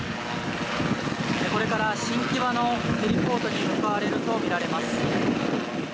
これから新木場のヘリポートに向かうとみられています。